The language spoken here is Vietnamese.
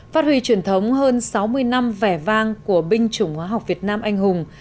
phát huy truyền thống hơn sáu mươi năm vẻ vang của binh chủng hóa học việt nam anh hùng